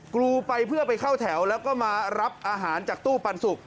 กรูไปเพื่อไปเข้าแถวแล้วก็มารับอาหารจากตู้ปันสุก